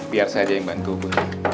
biar saja yang bantu